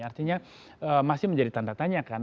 artinya masih menjadi tanda tanya kan